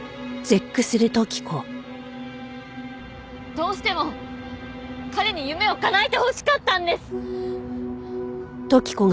どうしても彼に夢を叶えてほしかったんです！